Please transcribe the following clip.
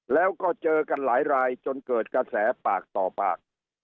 แล้วก็เจอกันหลายรายจนเกิดกระแสปากต่อปาก